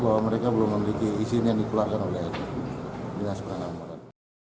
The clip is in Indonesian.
bahwa mereka belum memiliki izin yang dikeluarkan oleh nu dinas penanaman modal